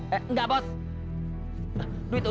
banyak orang yang berpikir kepada kita